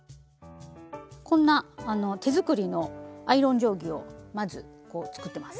こんな手作りのアイロン定規をまず作ってます。